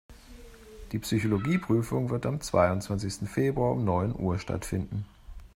Die Psychologie-Prüfung wird am zweiundzwanzigsten Februar um neun Uhr stattfinden.